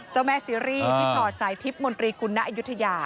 เจ้าแม่ซีรีส์พี่ชอตสายทิพย์มนตรีกุณอายุทยา